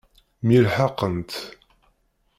Myelḥaqent.